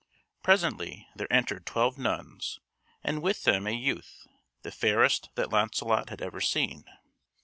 Presently there entered twelve nuns and with them a youth, the fairest that Launcelot had ever seen.